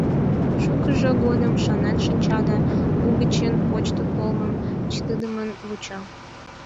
Шукыжо годым шонен шинча да угычын почто толмым чытыдымын вуча.